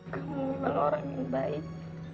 kamu kalau orang yang baik